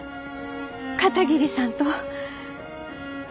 片桐さんと。